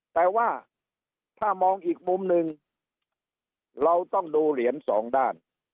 แต่ว่าถ้ามองอีกมุมหนึ่งเราต้องดูเหรียญสองด้าน